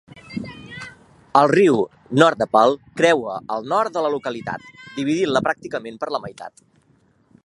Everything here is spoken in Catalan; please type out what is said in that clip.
El riu Thornapple creua el nord de la localitat, dividint-la pràcticament per la meitat.